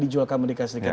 dijual ke amerika sedikit